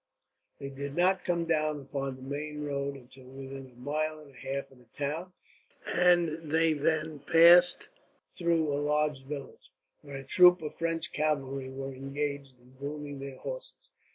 They did not come down upon the main road until within a mile and a half of the town, and they then passed through a large village, where a troop of French cavalry were engaged in grooming their horses.